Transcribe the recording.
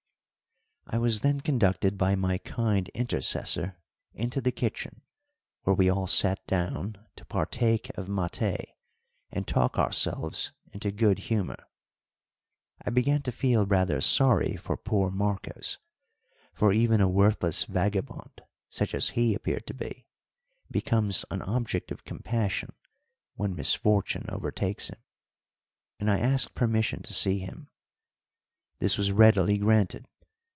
I was then conducted by my kind intercessor into the kitchen, where we all sat down to partake of maté and talk ourselves into good humour. I began to feel rather sorry for poor Marcos, for even a worthless vagabond, such as he appeared to be, becomes an object of compassion when misfortune overtakes him, and I asked permission to see him. This was readily granted.